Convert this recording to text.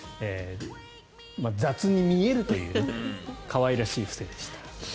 雑に見えるという可愛らしい伏せでした。